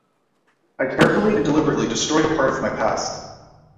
I carefully and deliberately destroyed a part of my past.